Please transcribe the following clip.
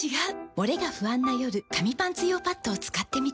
モレが不安な夜紙パンツ用パッドを使ってみた。